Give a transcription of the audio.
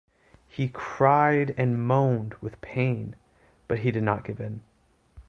He cried and moaned with pain, but he did not give in.